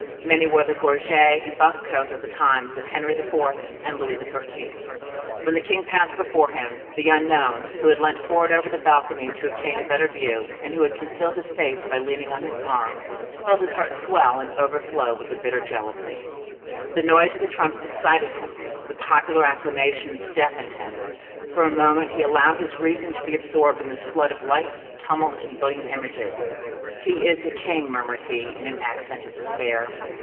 Many wore the gorget and buff coat of the times of Henry IV. and Louis XIII. When the king passed before him, the unknown, who had leant forward over the balcony to obtain a better view, and who had concealed his face by leaning on his arm, felt his heart swell and overflow with a bitter jealousy. The noise of the trumpets excited him—the popular acclamations deafened him: for a moment he allowed his reason to be absorbed in this flood of lights, tumult, and brilliant images. "He is a king!" murmured he, in an accent of despair.